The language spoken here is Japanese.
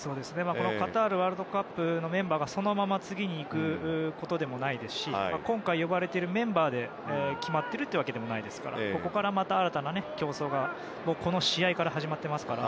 カタールワールドカップのメンバーがそのまま次に行くことでもないですし今回呼ばれているメンバーで決まっているわけでもありませんからここからまた新たな競争がこの試合から始まっていますから。